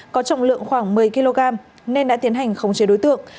có trọng lượng khoảng một mươi kg nên đã tiến hành khống chế đối tượng